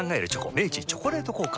明治「チョコレート効果」